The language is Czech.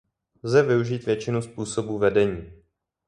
Lze využít většinu způsobů vedení.